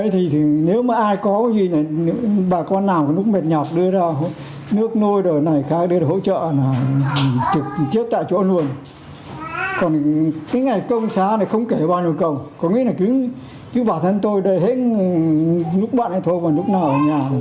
thời gian này tôi không biết tính công xã bất kể lúc nào